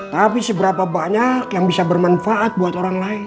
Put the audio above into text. tapi seberapa banyak yang bisa bermanfaat buat orang lain